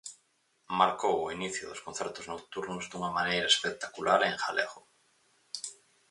Marcou o inicio dos concertos nocturnos dunha maneira espectacular e en galego.